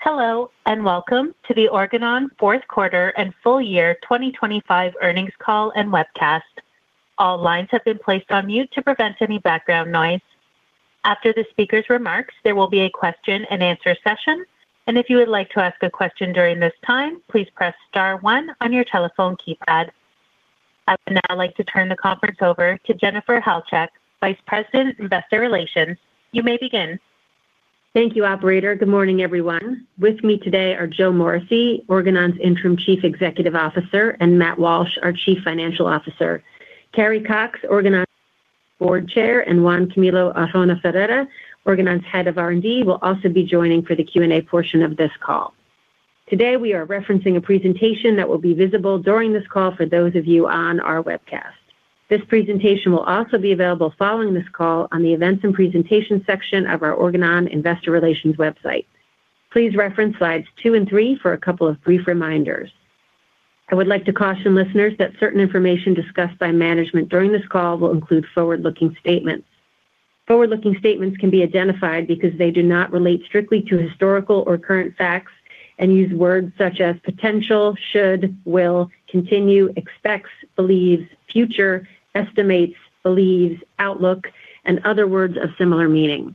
Hello, and welcome to the Organon fourth quarter and full year 2025 earnings call and webcast. All lines have been placed on mute to prevent any background noise. After the speaker's remarks, there will be a question and answer session, and if you would like to ask a question during this time, please press star one on your telephone keypad. I would now like to turn the conference over to Jennifer Halchak, Vice President, Investor Relations. You may begin. Thank you, operator. Good morning, everyone. With me today are Joe Morrissey, Organon's Interim Chief Executive Officer, and Matt Walsh, our Chief Financial Officer. Carrie Cox, Organon's Board Chair, and Juan Camilo Arjona Ferreira, Organon's Head of R&D, will also be joining for the Q&A portion of this call. Today, we are referencing a presentation that will be visible during this call for those of you on our webcast. This presentation will also be available following this call on the Events and Presentation section of our Organon Investor Relations website. Please reference slides two and three for a couple of brief reminders. I would like to caution listeners that certain information discussed by management during this call will include forward-looking statements. Forward-looking statements can be identified because they do not relate strictly to historical or current facts and use words such as potential, should, will, continue, expects, believes, future, estimates, believes, outlook, and other words of similar meaning.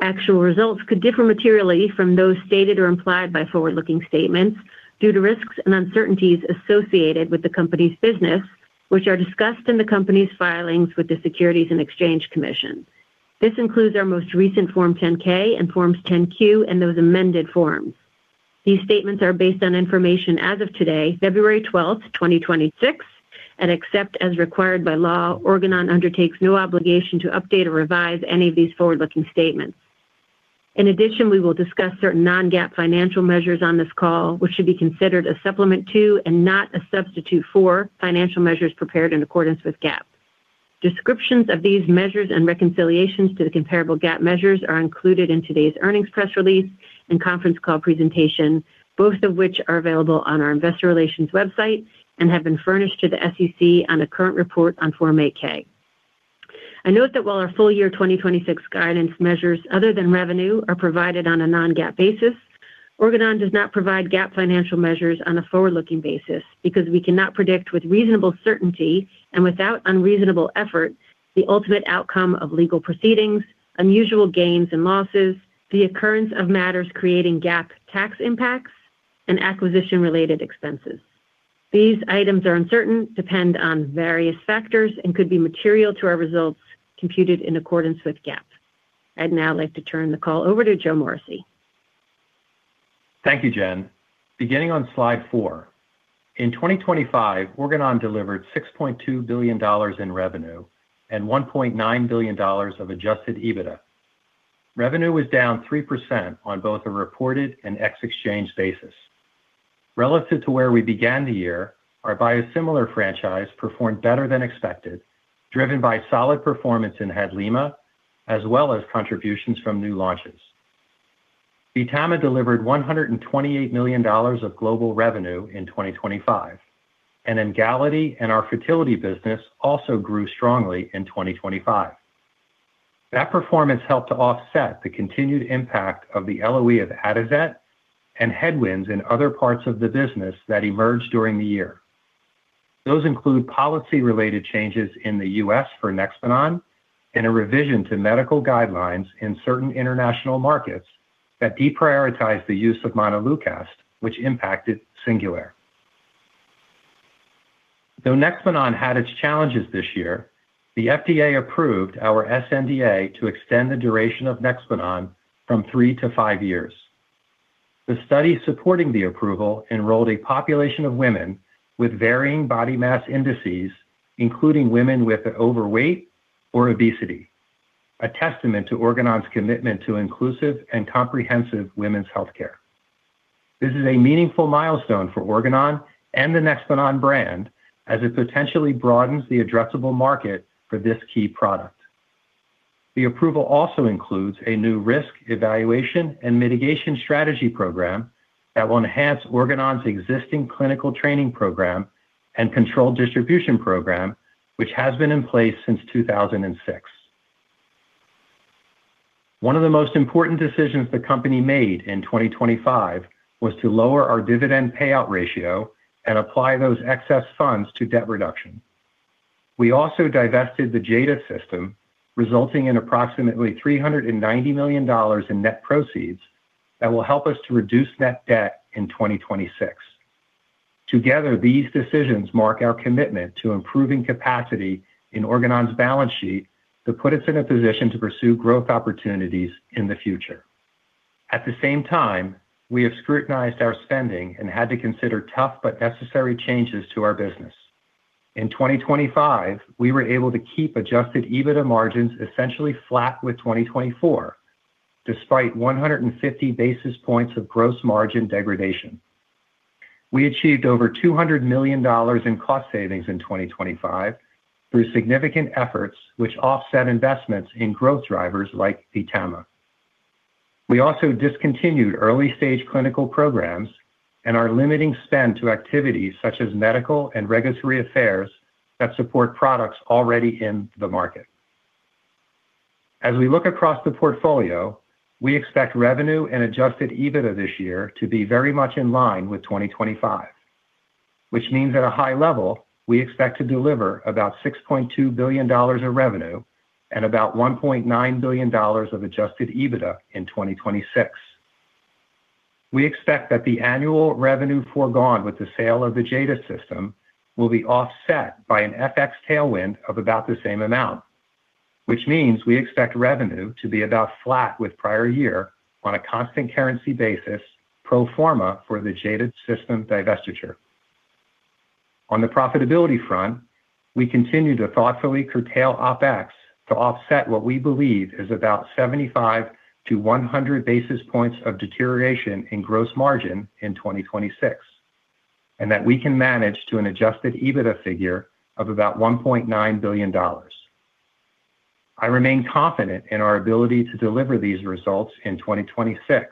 Actual results could differ materially from those stated or implied by forward-looking statements due to risks and uncertainties associated with the company's business, which are discussed in the company's filings with the Securities and Exchange Commission. This includes our most recent Form 10-K and Forms 10-Q, and those amended forms. These statements are based on information as of today, February 12, 2026, and except as required by law, Organon undertakes no obligation to update or revise any of these forward-looking statements. In addition, we will discuss certain non-GAAP financial measures on this call, which should be considered a supplement to, and not a substitute for, financial measures prepared in accordance with GAAP. Descriptions of these measures and reconciliations to the comparable GAAP measures are included in today's earnings press release and conference call presentation, both of which are available on our investor relations website and have been furnished to the SEC on a current report on Form 8-K. I note that while our full year 2026 guidance measures other than revenue are provided on a non-GAAP basis, Organon does not provide GAAP financial measures on a forward-looking basis because we cannot predict with reasonable certainty and without unreasonable effort, the ultimate outcome of legal proceedings, unusual gains and losses, the occurrence of matters creating GAAP tax impacts, and acquisition-related expenses. These items are uncertain, depend on various factors, and could be material to our results computed in accordance with GAAP. I'd now like to turn the call over to Joe Morrissey. Thank you, Jen. Beginning on slide four. In 2025, Organon delivered $6.2 billion in revenue and $1.9 billion of adjusted EBITDA. Revenue was down 3% on both a reported and ex-FX basis. Relative to where we began the year, our biosimilar franchise performed better than expected, driven by solid performance in HADLIMA, as well as contributions from new launches. Vtama delivered $128 million of global revenue in 2025, and Emgality and our fertility business also grew strongly in 2025. That performance helped to offset the continued impact of the LOE of Atozet and headwinds in other parts of the business that emerged during the year. Those include policy-related changes in the U.S. for Nexplanon and a revision to medical guidelines in certain international markets that deprioritized the use of montelukast, which impacted SINGULAIR. Though Nexplanon had its challenges this year, the FDA approved our sNDA to extend the duration of Nexplanon from three to five years. The study supporting the approval enrolled a population of women with varying body mass indices, including women with overweight or obesity, a testament to Organon's commitment to inclusive and comprehensive women's healthcare. This is a meaningful milestone for Organon and the Nexplanon brand as it potentially broadens the addressable market for this key product. The approval also includes a new risk evaluation and mitigation strategy program that will enhance Organon's existing clinical training program and control distribution program, which has been in place since 2006. One of the most important decisions the company made in 2025 was to lower our dividend payout ratio and apply those excess funds to debt reduction. We also divested the JADA System, resulting in approximately $390 million in net proceeds that will help us to reduce net debt in 2026. Together, these decisions mark our commitment to improving capacity in Organon's balance sheet to put us in a position to pursue growth opportunities in the future. At the same time, we have scrutinized our spending and had to consider tough but necessary changes to our business. In 2025, we were able to keep adjusted EBITDA margins essentially flat with 2024, despite 150 basis points of gross margin degradation. We achieved over $200 million in cost savings in 2025 through significant efforts which offset investments in growth drivers like Vtama. We also discontinued early-stage clinical programs and are limiting spend to activities such as medical and regulatory affairs that support products already in the market. As we look across the portfolio, we expect revenue and Adjusted EBITDA this year to be very much in line with 2025, which means at a high level, we expect to deliver about $6.2 billion of revenue and about $1.9 billion of Adjusted EBITDA in 2026. We expect that the annual revenue forgone with the sale of the JADA System will be offset by an FX tailwind of about the same amount, which means we expect revenue to be about flat with prior year on a constant currency basis, pro forma for the JADA System divestiture. On the profitability front, we continue to thoughtfully curtail OpEx to offset what we believe is about 75-100 basis points of deterioration in gross margin in 2026, and that we can manage to an adjusted EBITDA figure of about $1.9 billion. I remain confident in our ability to deliver these results in 2026,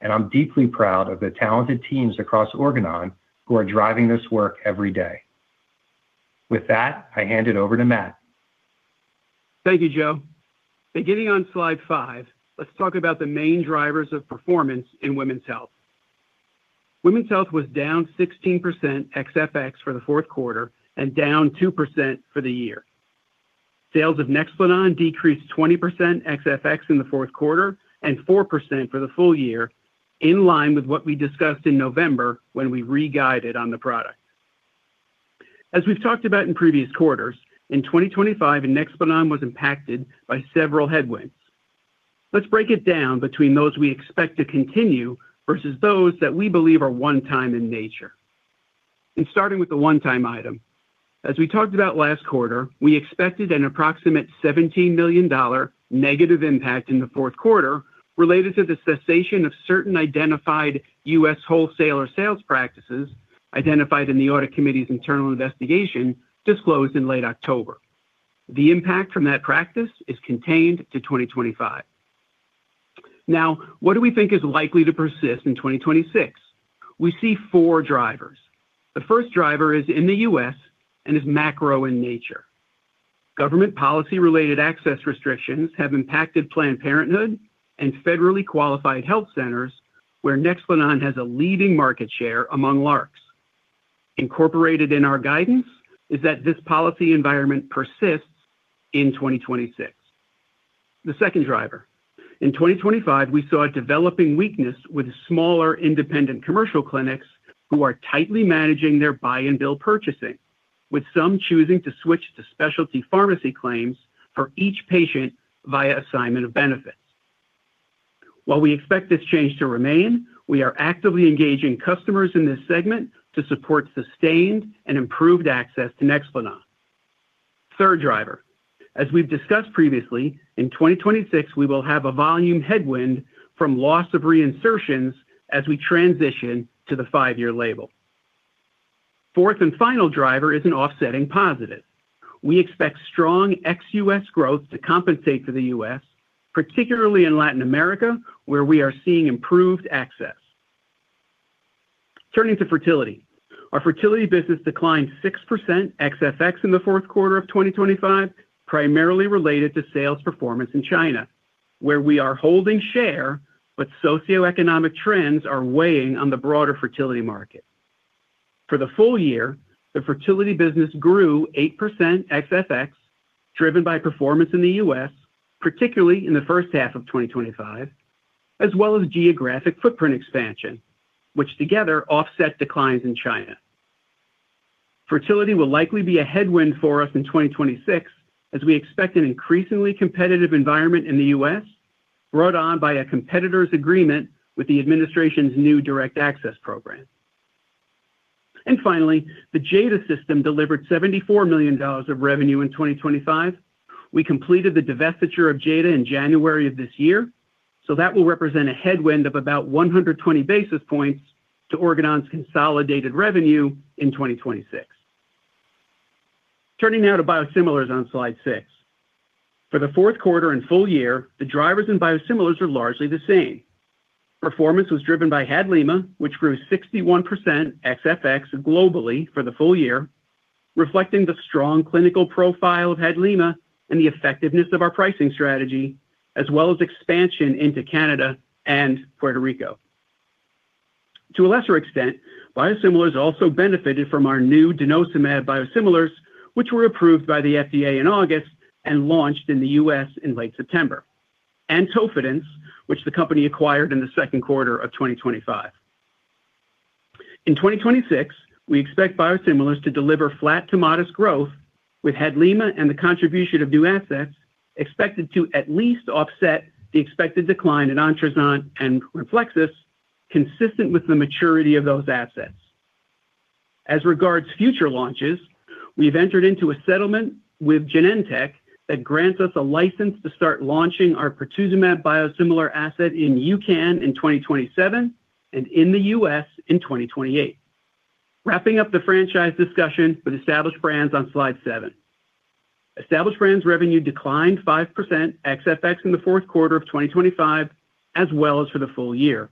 and I'm deeply proud of the talented teams across Organon who are driving this work every day. With that, I hand it over to Matt. Thank you, Joe. Beginning on slide five, let's talk about the main drivers of performance in women's health. Women's health was down 16% ex-FX for the fourth quarter and down 2% for the year. Sales of Nexplanon decreased 20% ex-FX in the fourth quarter and 4% for the full year, in line with what we discussed in November when we re-guided on the product. As we've talked about in previous quarters, in 2025, Nexplanon was impacted by several headwinds. Let's break it down between those we expect to continue versus those that we believe are one-time in nature. And starting with the one-time item, as we talked about last quarter, we expected an approximate $17 million negative impact in the fourth quarter related to the cessation of certain identified U.S. wholesaler sales practices identified in the Audit Committee's internal investigation disclosed in late October. The impact from that practice is contained to 2025. Now, what do we think is likely to persist in 2026? We see four drivers. The first driver is in the U.S. and is macro in nature. Government policy-related access restrictions have impacted Planned Parenthood and Federally Qualified Health Centers, where Nexplanon has a leading market share among LARCs. Incorporated in our guidance is that this policy environment persists in 2026. The second driver, in 2025, we saw a developing weakness with smaller independent commercial clinics who are tightly managing their buy and bill purchasing, with some choosing to switch to specialty pharmacy claims for each patient via assignment of benefits. While we expect this change to remain, we are actively engaging customers in this segment to support sustained and improved access to Nexplanon. Third driver, as we've discussed previously, in 2026, we will have a volume headwind from loss of reinsertions as we transition to the five-year label. Fourth and final driver is an offsetting positive. We expect strong ex-US growth to compensate for the US, particularly in Latin America, where we are seeing improved access. Turning to fertility. Our fertility business declined 6% ex-FX in the fourth quarter of 2025, primarily related to sales performance in China, where we are holding share, but socioeconomic trends are weighing on the broader fertility market. For the full year, the fertility business grew 8% ex-FX, driven by performance in the US, particularly in the first half of 2025, as well as geographic footprint expansion, which together offset declines in China. Fertility will likely be a headwind for us in 2026, as we expect an increasingly competitive environment in the U.S., brought on by a competitor's agreement with the administration's new direct access program. Finally, the JADA System delivered $74 million of revenue in 2025. We completed the divestiture of JADA in January of this year, so that will represent a headwind of about 120 basis points to Organon's consolidated revenue in 2026. Turning now to biosimilars on slide 6. For the fourth quarter and full year, the drivers in biosimilars are largely the same. Performance was driven by HADLIMA, which grew 61% ex-FX globally for the full year, reflecting the strong clinical profile of HADLIMA and the effectiveness of our pricing strategy, as well as expansion into Canada and Puerto Rico. To a lesser extent, biosimilars also benefited from our new Denosumab biosimilar, which was approved by the FDA in August and launched in the U.S. in late September, and TOFIDENCE, which the company acquired in the second quarter of 2025. In 2026, we expect biosimilars to deliver flat to modest growth, with HADLIMA and the contribution of new assets expected to at least offset the expected decline in Ontruzant and Renflexis, consistent with the maturity of those assets. As regards future launches, we've entered into a settlement with Genentech that grants us a license to start launching our Pertuzumab biosimilar asset in the U.K. in 2027 and in the U.S. in 2028. Wrapping up the franchise discussion with established brands on slide seven. Established brands revenue declined 5% ex-FX in the fourth quarter of 2025, as well as for the full year.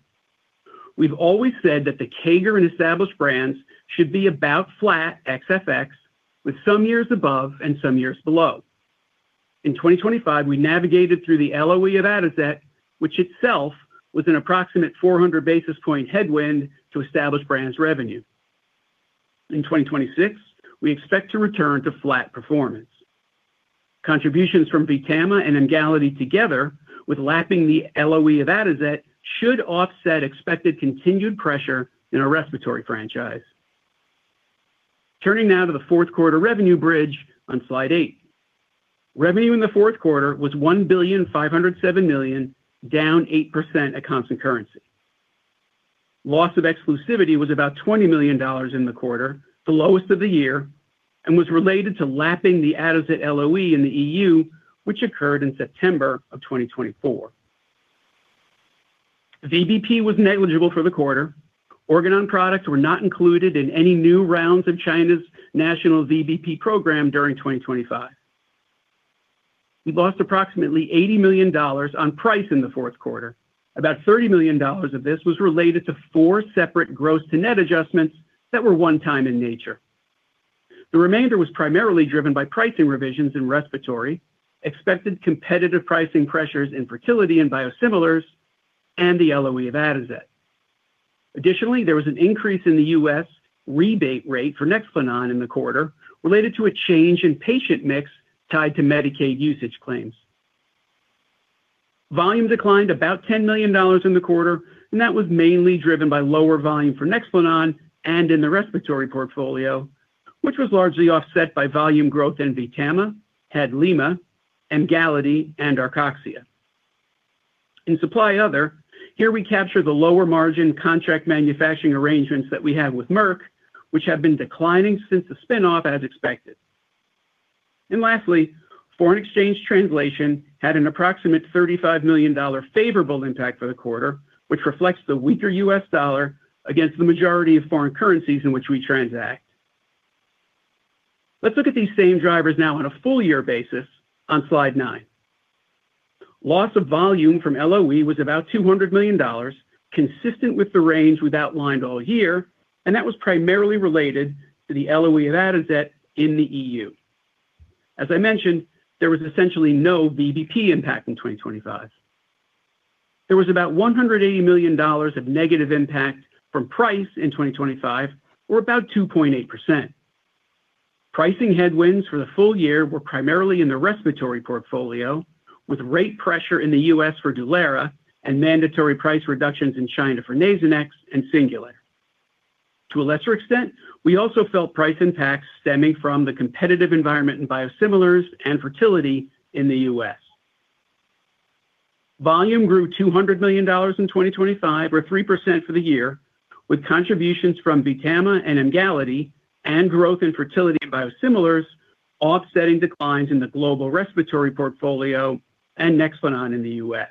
We've always said that the CAGR in Established Brands should be about flat ex FX, with some years above and some years below. In 2025, we navigated through the LOE of Atozet, which itself was an approximate 400 basis points headwind to Established Brands revenue. In 2026, we expect to return to flat performance. Contributions from Vtama and Emgality, together with lapping the LOE of Atozet, should offset expected continued pressure in our respiratory franchise. Turning now to the fourth quarter revenue bridge on Slide 8. Revenue in the fourth quarter was $1.507 billion, down 8% at constant currency. Loss of exclusivity was about $20 million in the quarter, the lowest of the year, and was related to lapping the Atozet LOE in the EU, which occurred in September 2024. VBP was negligible for the quarter. Organon products were not included in any new rounds of China's national VBP program during 2025. We lost approximately $80 million on price in the fourth quarter. About $30 million of this was related to four separate gross-to-net adjustments that were one-time in nature. The remainder was primarily driven by pricing revisions in respiratory, expected competitive pricing pressures in fertility and biosimilars, and the LOE of Atozet. Additionally, there was an increase in the U.S. rebate rate for Nexplanon in the quarter, related to a change in patient mix tied to Medicaid usage claims. Volume declined about $10 million in the quarter, and that was mainly driven by lower volume for Nexplanon and in the respiratory portfolio, which was largely offset by volume growth in Vtama, HADLIMA, Emgality, and Arcoxia. In Supply Other, here we capture the lower margin contract manufacturing arrangements that we have with Merck, which have been declining since the spin-off, as expected. And lastly, foreign exchange translation had an approximate $35 million favorable impact for the quarter, which reflects the weaker U.S. dollar against the majority of foreign currencies in which we transact. Let's look at these same drivers now on a full year basis on Slide 9. Loss of volume from LOE was about $200 million, consistent with the range we've outlined all year, and that was primarily related to the LOE of Atozet in the EU. As I mentioned, there was essentially no VBP impact in 2025. There was about $180 million of negative impact from price in 2025, or about 2.8%. Pricing headwinds for the full year were primarily in the respiratory portfolio, with rate pressure in the U.S. for Dulera and mandatory price reductions in China for Nasonex and SINGULAIR. To a lesser extent, we also felt price impacts stemming from the competitive environment in biosimilars and fertility in the U.S. Volume grew $200 million in 2025 or 3% for the year, with contributions from Vtama and Emgality and growth in fertility and biosimilars, offsetting declines in the global respiratory portfolio and Nexplanon in the U.S.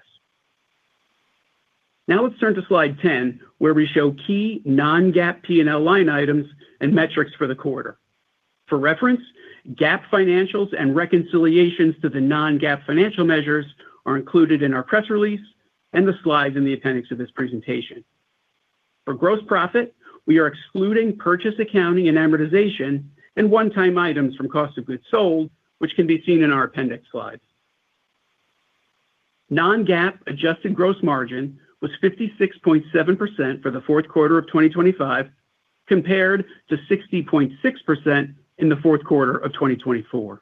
Now let's turn to Slide 10, where we show key non-GAAP P&L line items and metrics for the quarter. For reference, GAAP financials and reconciliations to the non-GAAP financial measures are included in our press release and the slides in the appendix of this presentation. For gross profit, we are excluding purchase, accounting and amortization and one-time items from cost of goods sold, which can be seen in our appendix slides. Non-GAAP adjusted gross margin was 56.7% for the fourth quarter of 2025, compared to 60.6% in the fourth quarter of 2024.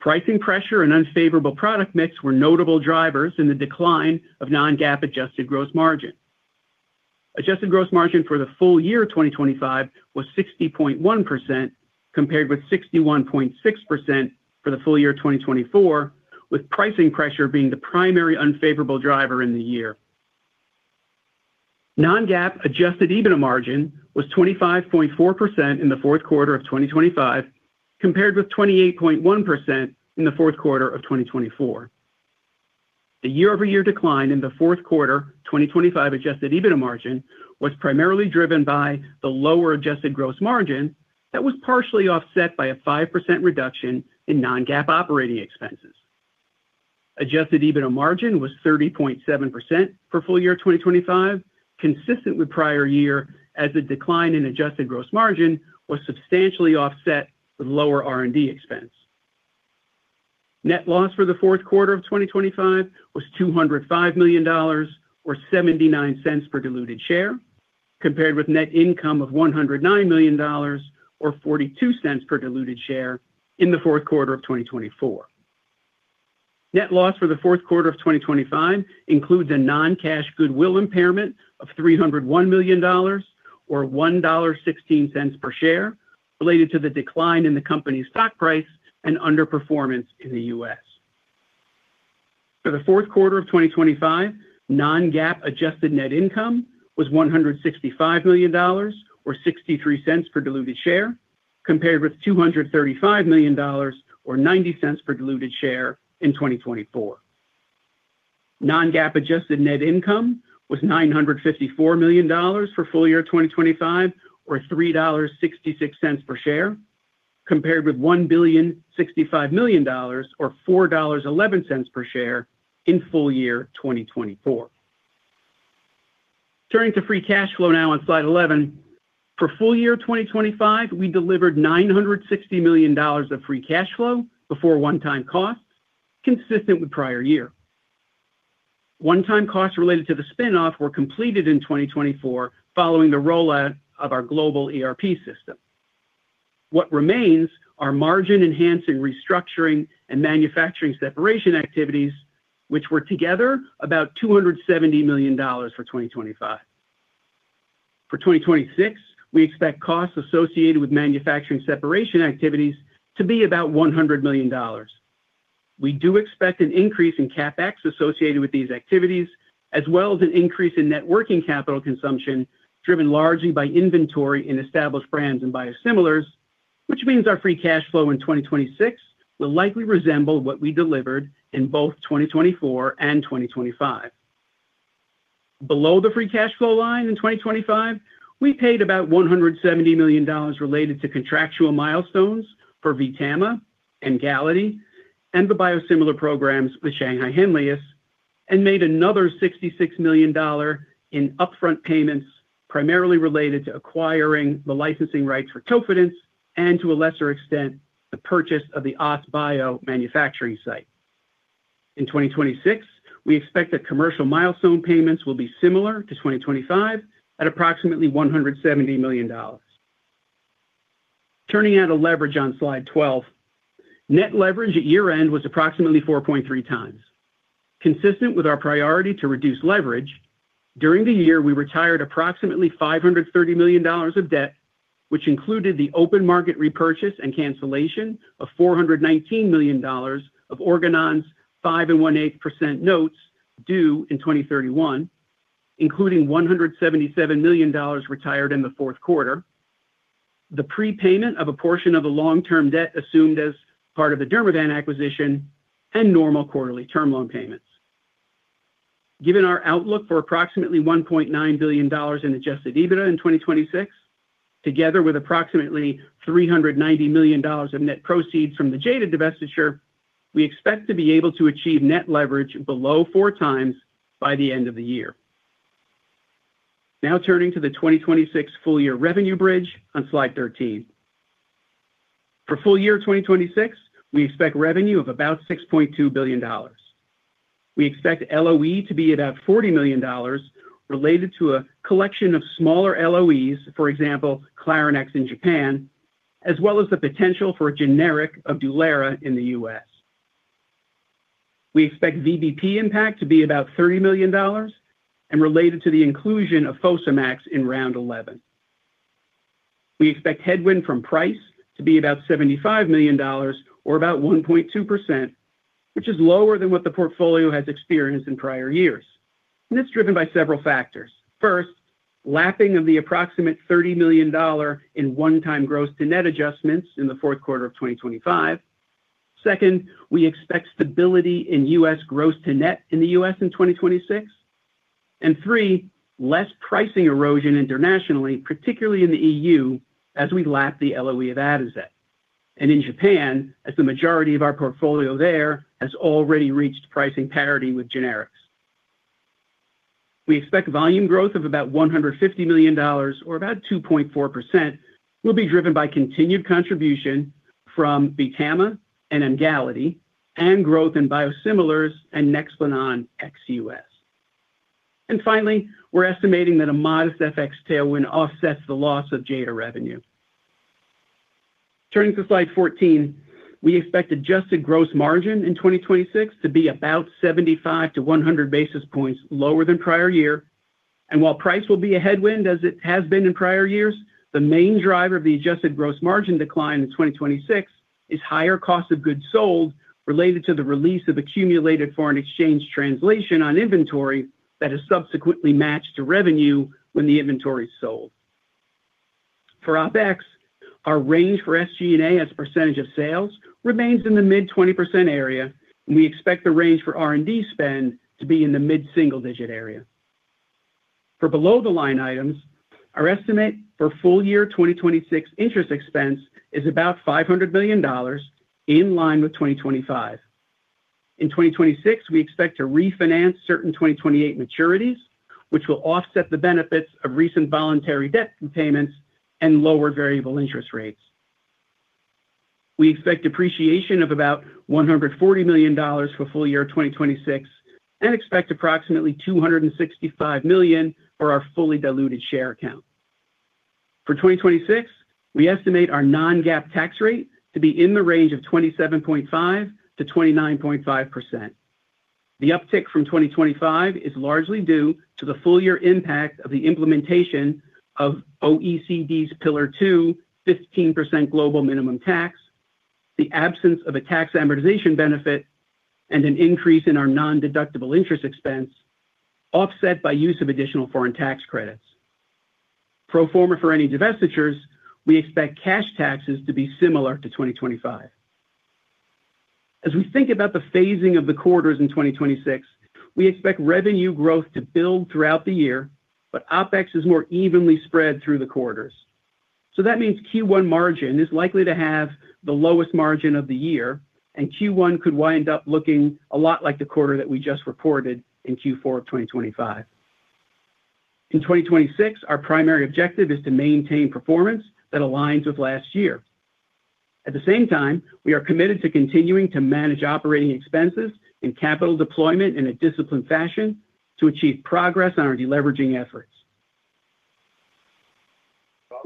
Pricing pressure and unfavorable product mix were notable drivers in the decline of non-GAAP adjusted gross margin. Adjusted gross margin for the full year of 2025 was 60.1%, compared with 61.6% for the full year of 2024, with pricing pressure being the primary unfavorable driver in the year. Non-GAAP adjusted EBITDA margin was 25.4% in the fourth quarter of 2025, compared with 28.1% in the fourth quarter of 2024. The year-over-year decline in the fourth quarter 2025 adjusted EBITDA margin was primarily driven by the lower adjusted gross margin that was partially offset by a 5% reduction in non-GAAP operating expenses. Adjusted EBITDA margin was 30.7% for full year 2025, consistent with prior year, as the decline in adjusted gross margin was substantially offset with lower R&D expense. Net loss for the fourth quarter of 2025 was $205 million, or $0.79 per diluted share, compared with net income of $109 million, or $0.42 per diluted share in the fourth quarter of 2024. Net loss for the fourth quarter of 2025 includes a non-cash goodwill impairment of $301 million, or $1.16 per share, related to the decline in the company's stock price and underperformance in the U.S. For the fourth quarter of 2025, non-GAAP adjusted net income was $165 million, or $0.63 per diluted share, compared with $235 million, or $0.90 per diluted share in 2024. Non-GAAP adjusted net income was $954 million for full year 2025, or $3.66 per share, compared with $1,065 million, or $4.11 per share in full year 2024. Turning to Free Cash Flow now on slide 11. For full year 2025, we delivered $960 million of free cash flow before one-time costs, consistent with prior year. One-time costs related to the spin-off were completed in 2024, following the rollout of our global ERP system. What remains are margin-enhancing, restructuring, and manufacturing separation activities, which were together about $270 million for 2025. For 2026, we expect costs associated with manufacturing separation activities to be about $100 million. We do expect an increase in CapEx associated with these activities, as well as an increase in net working capital consumption, driven largely by inventory in established brands and biosimilars, which means our free cash flow in 2026 will likely resemble what we delivered in both 2024 and 2025. Below the free cash flow line in 2025, we paid about $170 million related to contractual milestones for Vtama and Emgality and the biosimilar programs with Shanghai Henlius, and made another $66 million in upfront payments, primarily related to acquiring the licensing rights for TOFIDENCE, and to a lesser extent, the purchase of the Oss Bio manufacturing site. In 2026, we expect that commercial milestone payments will be similar to 2025 at approximately $170 million. Turning now to leverage on Slide 12. Net leverage at year-end was approximately 4.3 times. Consistent with our priority to reduce leverage, during the year, we retired approximately $530 million of debt, which included the open market repurchase and cancellation of $419 million of Organon's 5 1/8% notes due 2031, including $177 million retired in the fourth quarter, the prepayment of a portion of the long-term debt assumed as part of the Dermavant acquisition, and normal quarterly term loan payments. Given our outlook for approximately $1.9 billion in Adjusted EBITDA in 2026, together with approximately $390 million of net proceeds from the JADA divestiture, we expect to be able to achieve net leverage below 4x by the end of the year. Now turning to the 2026 full year revenue bridge on slide 13. For full year 2026, we expect revenue of about $6.2 billion. We expect LOE to be about $40 million related to a collection of smaller LOEs, for example, Clarinex in Japan, as well as the potential for a generic of Dulera in the U.S. We expect VBP impact to be about $30 million and related to the inclusion of Fosamax in round eleven. We expect headwind from price to be about $75 million or about 1.2%, which is lower than what the portfolio has experienced in prior years, and it's driven by several factors. First, lapping of the approximate $30 million in one-time gross to net adjustments in the fourth quarter of 2025. Second, we expect stability in U.S. gross to net in the U.S. in 2026. And three, less pricing erosion internationally, particularly in the EU, as we lap the LOE of Adviet, and in Japan, as the majority of our portfolio there has already reached pricing parity with generics. We expect volume growth of about $150 million or about 2.4%, will be driven by continued contribution from Vtama and Emgality and growth in biosimilars and Nexplanon ex-US. And finally, we're estimating that a modest FX tailwind offsets the loss of JADA revenue. Turning to Slide 14, we expect adjusted gross margin in 2026 to be about 75-100 basis points lower than prior year. While price will be a headwind, as it has been in prior years, the main driver of the adjusted gross margin decline in 2026 is higher cost of goods sold related to the release of accumulated foreign exchange translation on inventory that is subsequently matched to revenue when the inventory is sold. For OpEx, our range for SG&A as a percentage of sales remains in the mid-20% area, and we expect the range for R&D spend to be in the mid-single-digit area. For below-the-line items, our estimate for full year 2026 interest expense is about $500 million, in line with 2025. In 2026, we expect to refinance certain 2028 maturities, which will offset the benefits of recent voluntary debt repayments and lower variable interest rates. We expect depreciation of about $140 million for full year 2026 and expect approximately 265 million for our fully diluted share count. For 2026, we estimate our non-GAAP tax rate to be in the range of 27.5%-29.5%. The uptick from 2025 is largely due to the full year impact of the implementation of OECD Pillar Two, 15% global minimum tax, the absence of a tax amortization benefit, and an increase in our nondeductible interest expense, offset by use of additional foreign tax credits. Pro forma for any divestitures, we expect cash taxes to be similar to 2025. As we think about the phasing of the quarters in 2026, we expect revenue growth to build throughout the year, but OpEx is more evenly spread through the quarters. That means Q1 margin is likely to have the lowest margin of the year, and Q1 could wind up looking a lot like the quarter that we just reported in Q4 of 2025. In 2026, our primary objective is to maintain performance that aligns with last year. At the same time, we are committed to continuing to manage operating expenses and capital deployment in a disciplined fashion to achieve progress on our deleveraging efforts.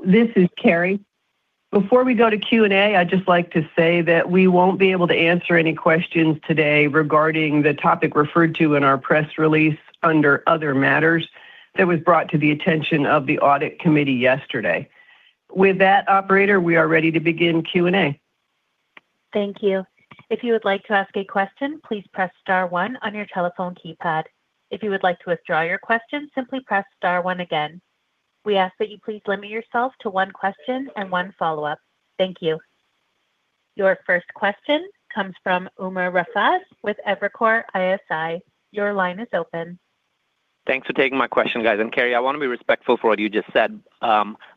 This is Carrie. Before we go to Q&A, I'd just like to say that we won't be able to answer any questions today regarding the topic referred to in our press release under other matters that was brought to the attention of the audit committee yesterday. With that, operator, we are ready to begin Q&A. Thank you. If you would like to ask a question, please press star one on your telephone keypad. If you would like to withdraw your question, simply press star one again. We ask that you please limit yourself to one question and one follow-up. Thank you. Your first question comes from Umer Raffat with Evercore ISI. Your line is open. Thanks for taking my question, guys. And Carrie, I want to be respectful for what you just said,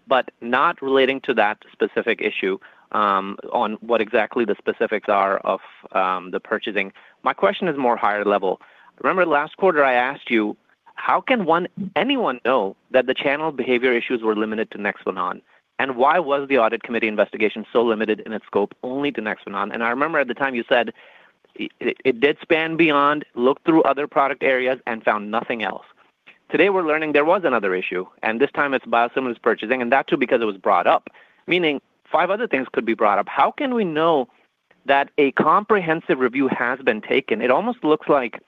but not relating to that specific issue, on what exactly the specifics are of, the purchasing. My question is more higher level. Remember last quarter, I asked you, how can anyone know that the channel behavior issues were limited to Nexplanon? And why was the audit committee investigation so limited in its scope only to Nexplanon? And I remember at the time you said, it did span beyond, looked through other product areas and found nothing else. Today, we're learning there was another issue, and this time it's biosimilars purchasing, and that, too, because it was brought up, meaning five other things could be brought up. How can we know that a comprehensive review has been taken? It almost looks like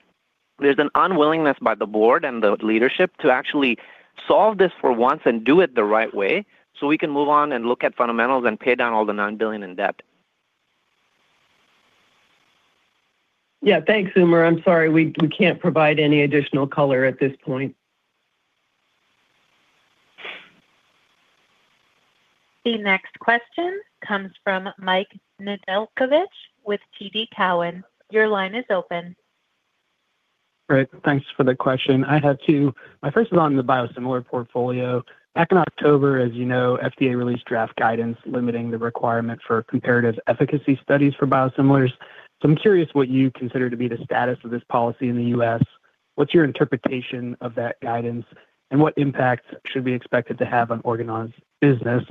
there's an unwillingness by the board and the leadership to actually solve this for once and do it the right way so we can move on and look at fundamentals and pay down all the $9 billion in debt. Yeah, thanks, Umer. I'm sorry, we can't provide any additional color at this point. The next question comes from Mike Nedelcovych with TD Cowen. Your line is open. Great. Thanks for the question. I have two. My first is on the biosimilar portfolio. Back in October, as you know, FDA released draft guidance limiting the requirement for comparative efficacy studies for biosimilars. So I'm curious what you consider to be the status of this policy in the U.S. What's your interpretation of that guidance? And what impacts should we expect it to have on Organon's business?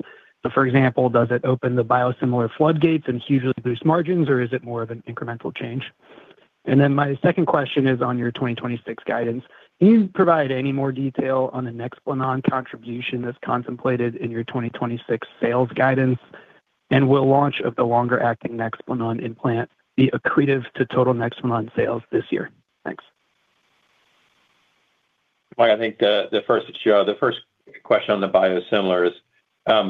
So for example, does it open the biosimilar floodgates and hugely boost margins, or is it more of an incremental change? And then my second question is on your 2026 guidance. Can you provide any more detail on the Nexplanon contribution that's contemplated in your 2026 sales guidance? And will launch of the longer-acting Nexplanon implant be accretive to total Nexplanon sales this year? Thanks. Well, I think the first question on the biosimilars,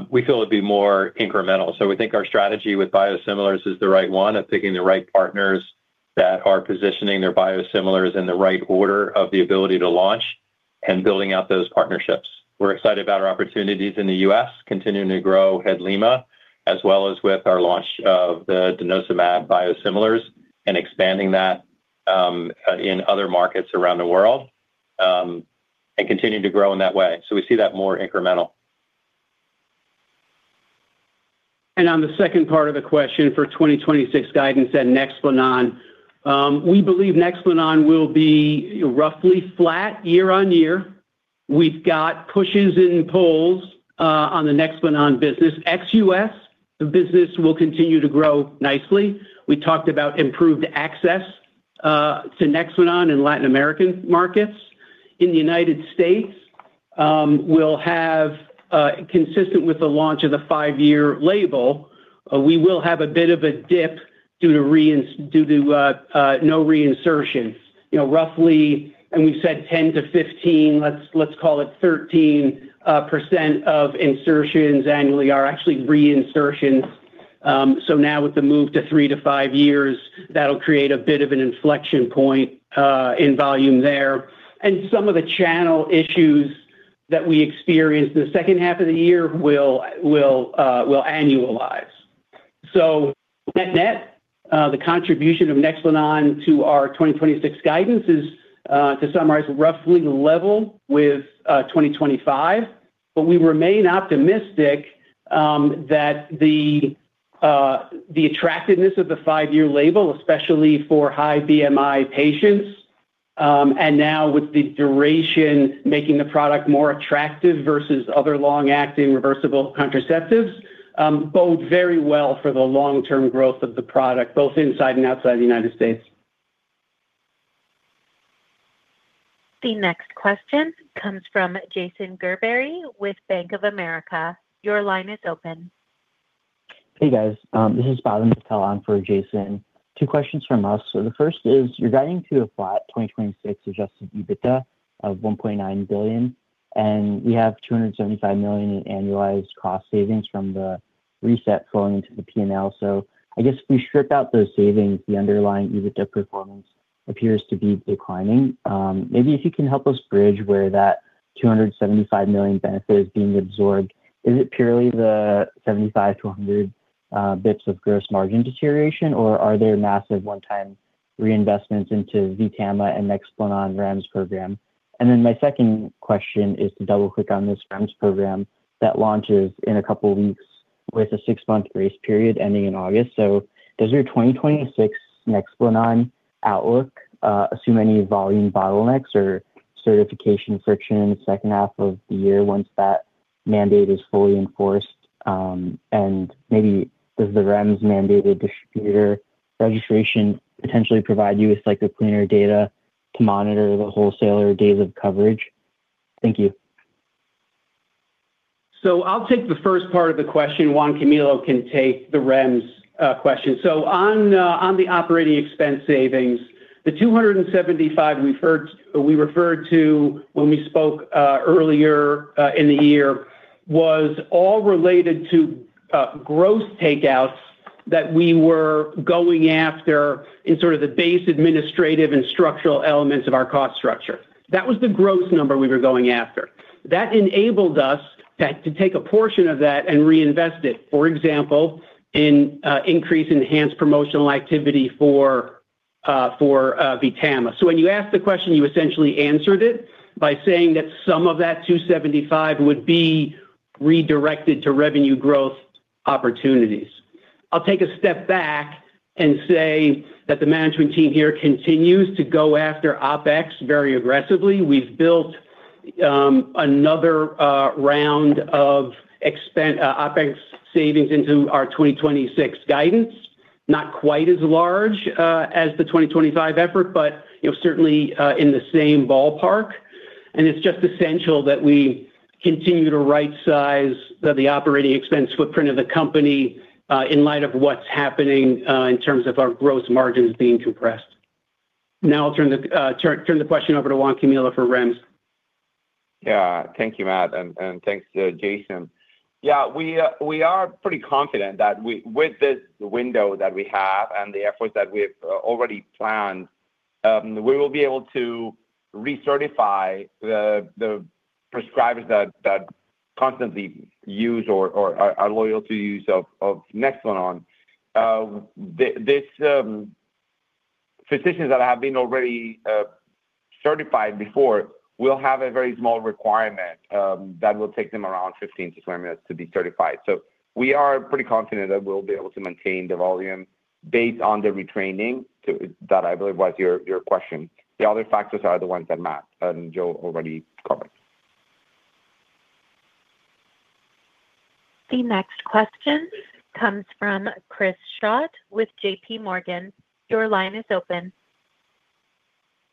we feel it'd be more incremental. So we think our strategy with biosimilars is the right one of picking the right partners that are positioning their biosimilars in the right order of the ability to launch and building out those partnerships. We're excited about our opportunities in the U.S., continuing to grow HADLIMA, as well as with our launch of the Denosumab biosimilars and expanding that, in other markets around the world, and continuing to grow in that way. So we see that more incremental. On the second part of the question for 2026 guidance and Nexplanon, we believe Nexplanon will be roughly flat year-on-year. We've got pushes and pulls on the Nexplanon business. Ex-US, the business will continue to grow nicely. We talked about improved access to Nexplanon in Latin American markets. In the United States, we'll have, consistent with the launch of the five-year label, we will have a bit of a dip due to no reinsertions. You know, roughly, and we've said 10-15, let's call it 13% of insertions annually are actually reinsertions. So now with the move to three to five years, that'll create a bit of an inflection point in volume there. Some of the channel issues that we experienced in the second half of the year will annualize. Net, the contribution of Nexplanon to our 2026 guidance is, to summarize, roughly level with 2025. But we remain optimistic that the attractiveness of the five-year label, especially for high BMI patients, and now with the duration making the product more attractive versus other long-acting, reversible contraceptives, bode very well for the long-term growth of the product, both inside and outside the United States. The next question comes from Jason Gerberry with Bank of America. Your line is open. Hey, guys. This is Pavan Patel on for Jason. Two questions from us. So the first is, you're guiding to a flat 2026 adjusted EBITDA of $1.9 billion, and we have $275 million in annualized cost savings from the reset flowing into the P&L. So I guess if we strip out those savings, the underlying EBITDA performance appears to be declining. Maybe if you can help us bridge where that $275 million benefit is being absorbed, is it purely the 75-100 bps of gross margin deterioration, or are there massive one-time reinvestments into Vtama and Nexplanon REMS program? Then my second question is to double-click on this REMS program that launches in a couple of weeks with a six-month grace period ending in August. So does your 2026 Nexplanon outlook assume any volume bottlenecks or certification friction in the second half of the year once that mandate is fully enforced? And maybe does the REMS-mandated distributor registration potentially provide you with, like, a cleaner data to monitor the wholesaler days of coverage? Thank you. So I'll take the first part of the question. Juan Camilo can take the REMS question. So on the operating expense savings, the 275 we've heard, we referred to when we spoke earlier in the year was all related to gross takeouts that we were going after in sort of the base administrative and structural elements of our cost structure. That was the gross number we were going after. That enabled us to take a portion of that and reinvest it, for example, in increased enhanced promotional activity for Vtama. So when you asked the question, you essentially answered it by saying that some of that 275 would be redirected to revenue growth opportunities. I'll take a step back and say that the management team here continues to go after OpEx very aggressively. We've built another round of expense OpEx savings into our 2026 guidance, not quite as large as the 2025 effort, but, you know, certainly in the same ballpark. And it's just essential that we continue to rightsize the operating expense footprint of the company in light of what's happening in terms of our gross margins being compressed. Now, I'll turn the question over to Juan Camilo for REMS. Yeah. Thank you, Matt, and thanks to Jason. Yeah, we are pretty confident that with this window that we have and the efforts that we have already planned, we will be able to recertify the prescribers that constantly use or are loyal to use of Nexplanon. These physicians that have been already certified before will have a very small requirement that will take them around 15-20 minutes to be certified. So we are pretty confident that we'll be able to maintain the volume based on the retraining to. That I believe was your question. The other factors are the ones that Matt and Joe already covered. The next question comes from Chris Schott with JPMorgan. Your line is open.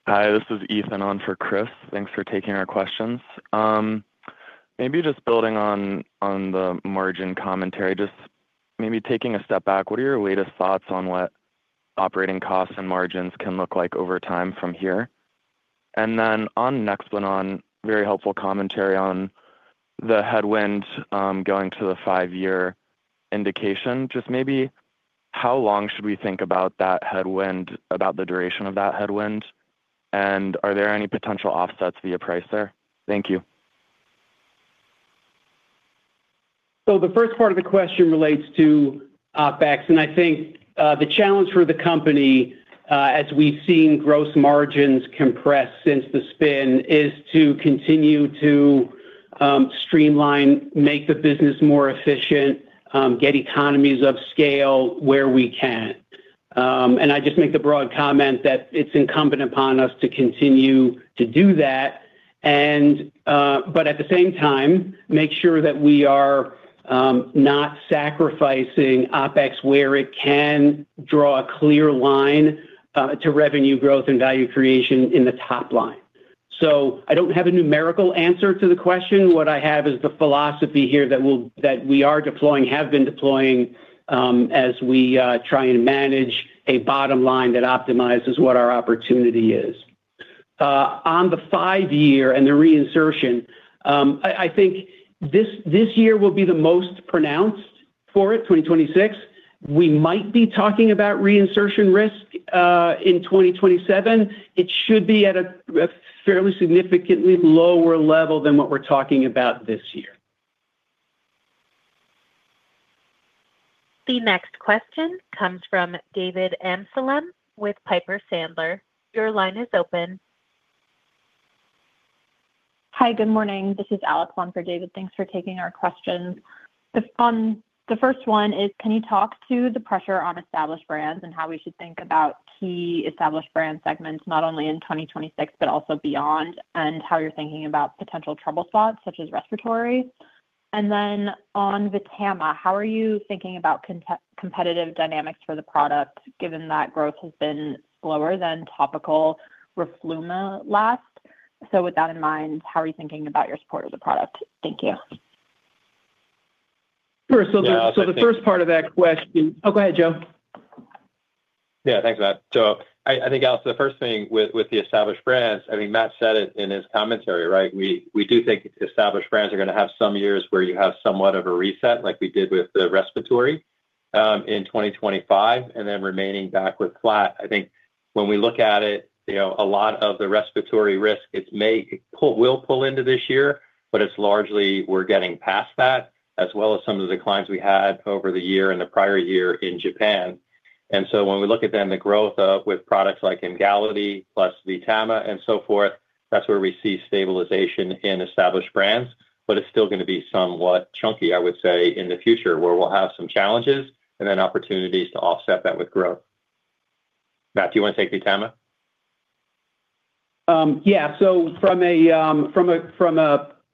Hi, this is Ethan on for Chris. Thanks for taking our questions. Maybe just building on, on the margin commentary, just maybe taking a step back, what are your latest thoughts on what operating costs and margins can look like over time from here? And then on Nexplanon, very helpful commentary on the headwind, going to the five-year indication. Just maybe how long should we think about that headwind, about the duration of that headwind? And are there any potential offsets via price there? Thank you. So the first part of the question relates to OpEx, and I think the challenge for the company, as we've seen gross margins compress since the spin, is to continue to streamline, make the business more efficient, get economies of scale where we can. And I just make the broad comment that it's incumbent upon us to continue to do that, and, but at the same time, make sure that we are not sacrificing OpEx, where it can draw a clear line to revenue growth and value creation in the top line. So I don't have a numerical answer to the question. What I have is the philosophy here that we'll, that we are deploying, have been deploying, as we try and manage a bottom line that optimizes what our opportunity is. On the five-year and the reinsertion, I think this year will be the most pronounced for it, 2026. We might be talking about reinsertion risk in 2027. It should be at a fairly significantly lower level than what we're talking about this year. The next question comes from David Amsellem with Piper Sandler. Your line is open. Hi, good morning. This is Alex, one for David. Thanks for taking our questions. The first one is, can you talk to the pressure on established brands and how we should think about key established brand segments, not only in 2026, but also beyond, and how you're thinking about potential trouble spots, such as respiratory? And then on Vtama, how are you thinking about competitive dynamics for the product, given that growth has been slower than topical roflumilast? So with that in mind, how are you thinking about your support of the product? Thank you. Sure. So the first part of that question. Oh, go ahead, Joe. Yeah, thanks, Matt. So I think, Alex, the first thing with the established brands, I mean, Matt said it in his commentary, right? We do think established brands are gonna have some years where you have somewhat of a reset, like we did with the respiratory in 2025, and then remaining backward flat. I think when we look at it, you know, a lot of the respiratory risk, it will pull into this year, but it's largely we're getting past that, as well as some of the declines we had over the year and the prior year in Japan. And so when we look at then the growth with products like Emgality plus Vtama and so forth, that's where we see stabilization in established brands. But it's still gonna be somewhat chunky, I would say, in the future, where we'll have some challenges and then opportunities to offset that with growth. Matt, do you want to take Vtama? Yeah. So from a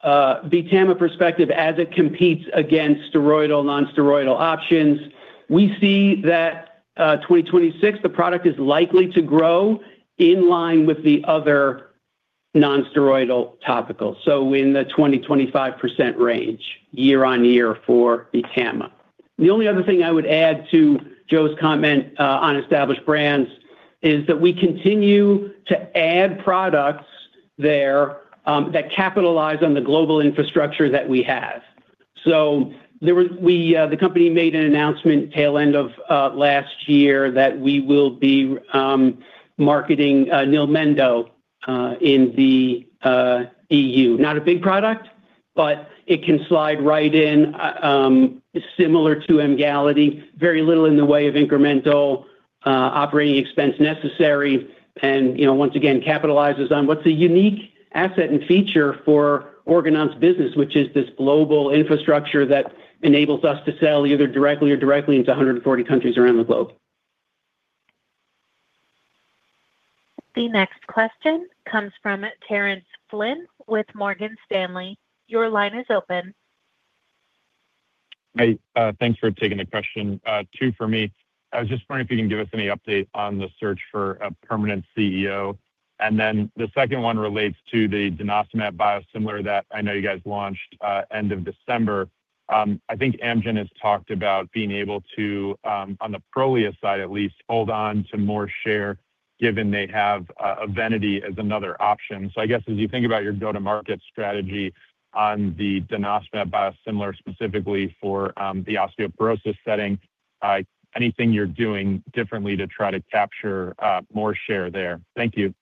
Vtama perspective, as it competes against steroidal, non-steroidal options, we see that 2026, the product is likely to grow in line with the other non-steroidal topical, so in the 20%-25% range, year-on-year for Vtama. The only other thing I would add to Joe's comment on established brands is that we continue to add products there that capitalize on the global infrastructure that we have. So we, the company made an announcement tail end of last year that we will be marketing Nilemdo in the EU. Not a big product, but it can slide right in, similar to Emgality, very little in the way of incremental operating expense necessary, and, you know, once again, capitalizes on what's a unique asset and feature for Organon's business, which is this global infrastructure that enables us to sell either directly or directly into 140 countries around the globe. The next question comes from Terence Flynn with Morgan Stanley. Your line is open. Hey, thanks for taking the question. Two for me. I was just wondering if you can give us any update on the search for a permanent CEO. And then the second one relates to the denosumab biosimilar that I know you guys launched end of December. I think Amgen has talked about being able to on the Prolia side, at least, hold on to more share, given they have Evenity as another option. So I guess as you think about your go-to-market strategy on the denosumab biosimilar, specifically for the osteoporosis setting, anything you're doing differently to try to capture more share there? Thank you.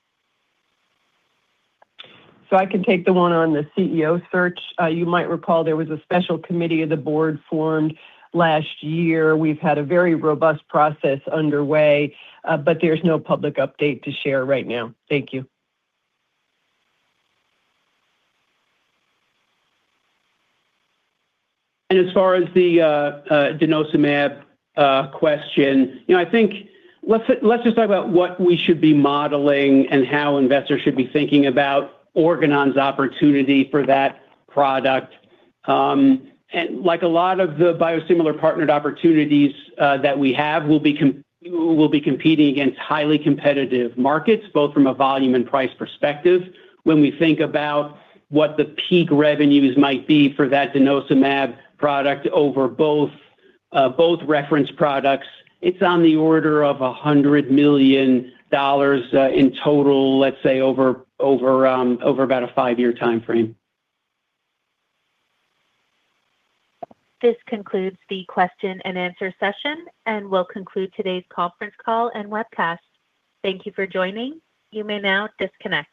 I can take the one on the CEO search. You might recall there was a special committee of the board formed last year. We've had a very robust process underway, but there's no public update to share right now. Thank you. As far as the denosumab question, you know, I think let's just talk about what we should be modeling and how investors should be thinking about Organon's opportunity for that product. And like a lot of the biosimilar partnered opportunities that we have, we'll be competing against highly competitive markets, both from a volume and price perspective. When we think about what the peak revenues might be for that denosumab product over both reference products, it's on the order of $100 million in total, let's say, over about a five-year timeframe. This concludes the question and answer session, and we'll conclude today's conference call and webcast. Thank you for joining. You may now disconnect.